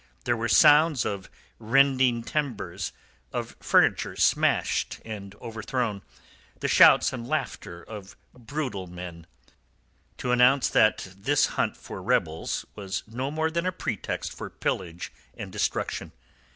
There were sounds of rending timbers, of furniture smashed and overthrown, the shouts and laughter of brutal men, to announce that this hunt for rebels was no more than a pretext for pillage and destruction.